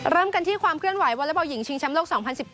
เริ่มกันที่ความเคลื่อนไหววอเล็กบอลหญิงชิงแชมป์โลก๒๐๑๙